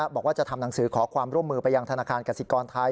บอกว่าจะทำหนังสือขอความร่วมมือไปยังธนาคารกสิกรไทย